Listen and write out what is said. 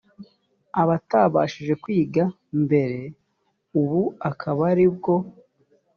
atabashije kwiga mbere ubu akaba aribwo